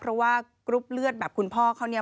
เพราะว่ากรุ๊ปเลือดแบบคุณพ่อเขาเนี่ย